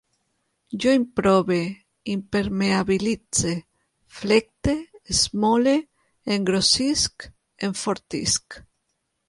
Jo improve, impermeabilitze, flecte, esmole, engrossisc, enfortisc